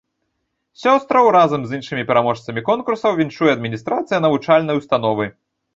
Сёстраў разам з іншымі пераможцамі конкурсаў віншуе адміністрацыя навучальнай установы.